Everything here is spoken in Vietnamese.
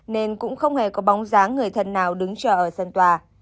nên cũng không hề có bóng dáng người thân nào đứng chờ ở sân tòa